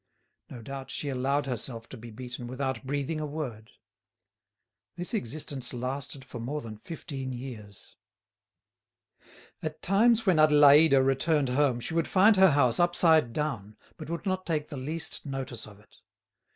No doubt she allowed herself to be beaten without breathing a word. This existence lasted for more than fifteen years. At times when Adélaïde returned home she would find her house upside down, but would not take the least notice of it.